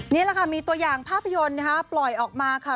นี่แหละค่ะมีตัวอย่างภาพยนตร์นะคะปล่อยออกมาค่ะ